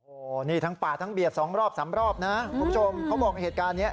โอ้โหนี่ทั้งปาดทั้งเบียดสองรอบสามรอบนะคุณผู้ชมเขาบอกเหตุการณ์เนี้ย